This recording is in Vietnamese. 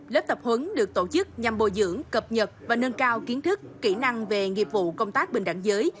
lớp tập huấn được tổ chức nhằm bồi dưỡng cập nhật và nâng cao kiến thức kỹ năng về nghiệp vụ công tác bình đẳng giới